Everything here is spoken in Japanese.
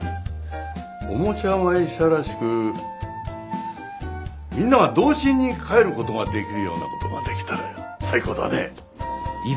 おもちゃ会社らしくみんなが童心に返ることができるようなことができたら最高だね。